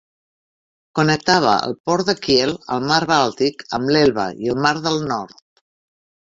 Connectava el port de Kiel al mar Bàltic amb l'Elba i el Mar del Nord.